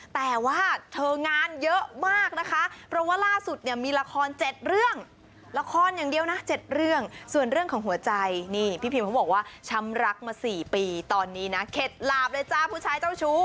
แต่ว่าเธองานเยอะมากนะคะเพราะว่าล่าสุดเนี่ยมีละคร๗เรื่องละครอย่างเดียวนะ๗เรื่องส่วนเรื่องของหัวใจนี่พี่พิมเขาบอกว่าช้ำรักมา๔ปีตอนนี้นะเข็ดหลาบเลยจ้าผู้ชายเจ้าชู้